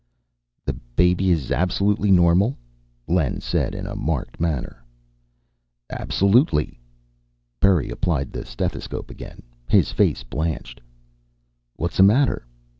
"The baby is absolutely normal?" Len said in a marked manner. "Absolutely." Berry applied the stethoscope again. His face blanched. "What's the matter?"